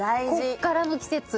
ここからの季節。